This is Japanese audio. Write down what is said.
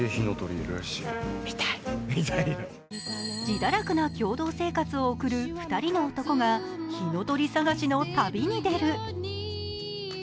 自堕落な共同生活を送る２人の男が火の鳥探しの旅に出る。